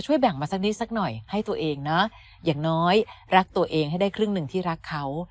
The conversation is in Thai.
แบ่งมาสักนิดสักหน่อยให้ตัวเองนะอย่างน้อยรักตัวเองให้ได้ครึ่งหนึ่งที่รักเขา